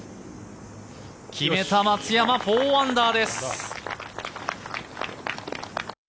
決めた、松山、４アンダーです。